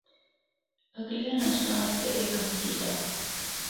اگلیاں نسلاں اسطے اے کم کیتا۔